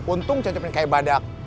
untung cecepnya kayak badak